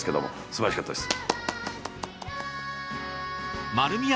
素晴らしかったです。